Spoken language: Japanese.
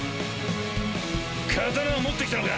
刀持ってきたのか？